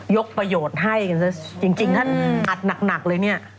ยกประโยชน์ให้กันซะจริงถ้าหนักเลยเนี่ย